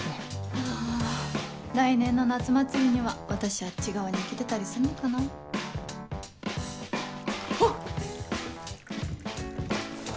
あぁ来年の夏祭りには私あっち側に行けてたりすんのかな。あっ！